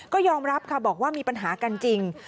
ก็ยอมรับค่ะบอกว่ามีปัญหากันจริง